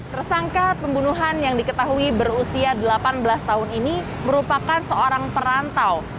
tersangka pembunuhan yang diketahui berusia delapan belas tahun ini merupakan seorang perantau